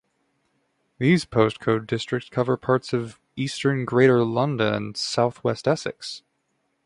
These postcode districts cover parts of eastern Greater London and southwest Essex.